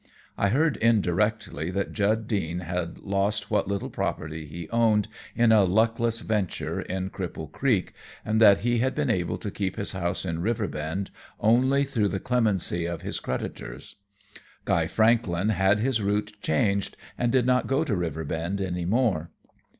I heard indirectly that Jud Deane had lost what little property he owned in a luckless venture in Cripple Creek, and that he had been able to keep his house in Riverbend only through the clemency of his creditors. Guy Franklin had his route changed and did not go to Riverbend any more.